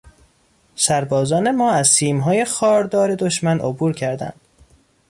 سربازان ما از سیمهای خاردار دشمن عبور کردند.